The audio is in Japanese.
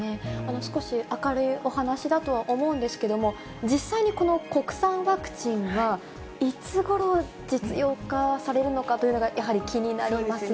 少し明るいお話だとは思うんですけども、実際にこの国産ワクチンは、いつごろ、実用化されるのかというのがやはり気になりますよね。